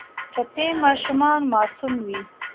ټپي ماشومان معصوم وي.